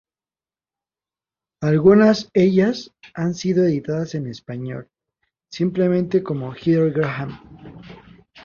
Algunas ellas han sido editadas en español simplemente como Heather Graham.